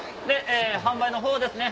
販売のほうですね。